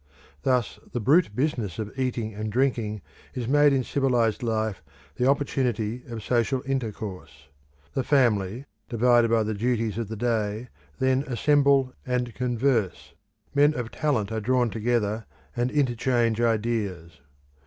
Thus the brute business of eating and drinking is made in civilised life the opportunity of social intercourse; the family, divided by the duties of the day, then assemble and converse: men of talent are drawn together and interchange ideas.